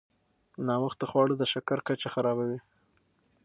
ناوخته خواړه د شکر کچه خرابوي.